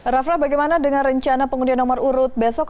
raff raf bagaimana dengan rencana pengundian nomor urut besok